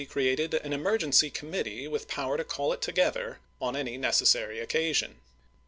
created an emergency committee with power to call it together on any necessary occasion.